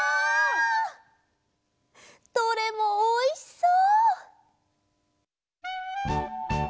どれもおいしそう！